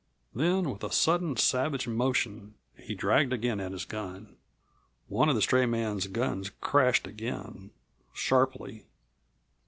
Then with a sudden, savage motion he dragged again at his gun. One of the stray man's guns crashed again, sharply.